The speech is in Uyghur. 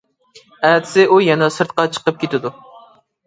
ئەتىسى ئۇ يەنە سىرتقا چىقىپ كېتىدۇ.